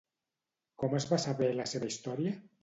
Com es va saber la seva història?